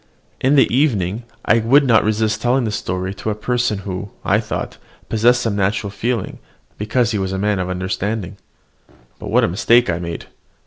In the evening I would not resist telling the story to a person who, I thought, possessed some natural feeling, because he was a man of understanding. But what a mistake I made.